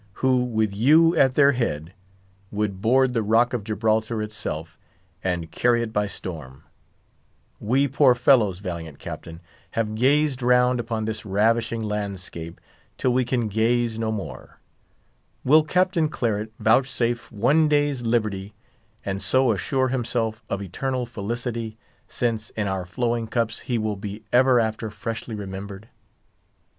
who, with you at their head, would board the Rock of Gibraltar itself, and carry it by storm—we poor fellows, valiant Captain! have gazed round upon this ravishing landscape till we can gaze no more. Will Captain Claret vouchsafe one day's liberty, and so assure himself of eternal felicity, since, in our flowing cups, he will be ever after freshly remembered?"